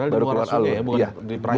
baru keluar alun